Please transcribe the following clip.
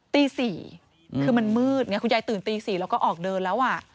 ตี๔คือมันมืดไงคุณยายตื่นตี๔แล้วก็ออกเดินแล้ว